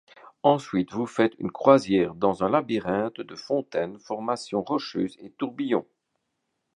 Ensuite vous faites une croisière dans un labyrinthe de fontaines, formations rocheuses et tourbillons.